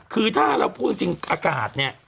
คือถ้าเราพูดจริงอากาศเนี่ย